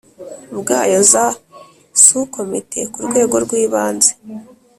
bwayo za sous Komite ku rwego rw ibanze